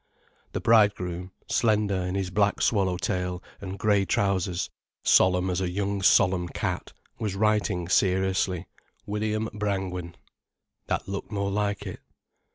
The bridegroom, slender in his black swallow tail and grey trousers, solemn as a young solemn cat, was writing seriously: "William Brangwen." That looked more like it.